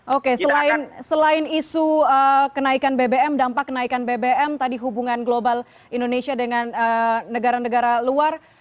oke selain isu kenaikan bbm dampak kenaikan bbm tadi hubungan global indonesia dengan negara negara luar